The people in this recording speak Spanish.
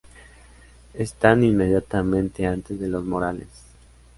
Están inmediatamente antes de los molares.